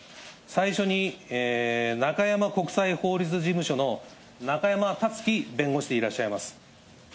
最初になかやま国際法律事務所のなかやまたつき弁護士でいらっしゃいます。